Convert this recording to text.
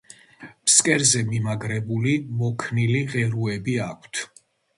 ფსკერზე მიმაგრებული მოქნილი ღეროები აქვთ.